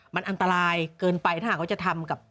มันอันตรายเกินไปถ้าหากเขาจะทำกับ